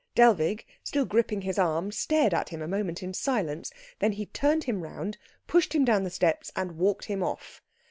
Dellwig, still gripping his arm, stared at him a moment in silence; then he turned him round, pushed him down the steps, and walked him off.